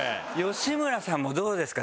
吉村さんもどうですか？